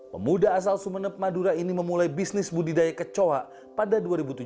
pemuda asal sumeneb madura ini memulai bisnis budidaya kecoa pada dua ribu tujuh belas